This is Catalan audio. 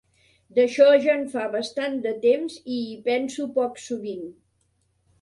D'això ja en fa bastant de temps i hi penso poc sovint.